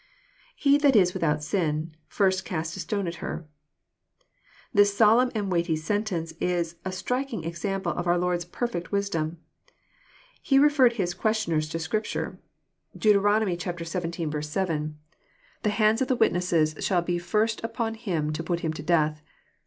[He that is without sin. ..first cast a stone at her."] This solemn and weighty sentence is a striking example of our Lord's perfect wisdom. He referred His questioners to Scripture. Deut. xvil. n 7S KXP06ITOBT THOUOHTS. T: " Tlie hands of the witnesses shall be flist npon him to pnt him to death."